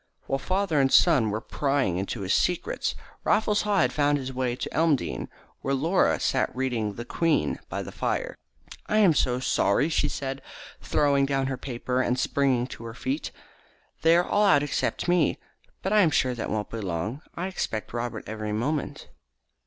While father and son were prying into his secrets, Raffles Haw had found his way to Elmdene, where Laura sat reading the Queen by the fire. "I am so sorry," she said, throwing down her paper and springing to her feet. "They are all out except me. But I am sure that they won't be long. I expect Robert every moment."